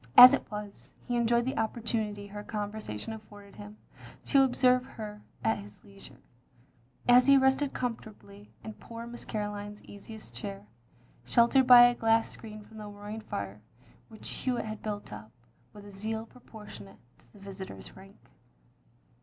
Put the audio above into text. As it was, he enjoyed the opportunity her conversation afforded him to observe her at his leisure; as he rested comfortably in poor Miss Caroline's easiest chair, sheltered by a glass screen from the roaring fire which Hewitt had built up, with a zeal pro portionate to the visitor's rank.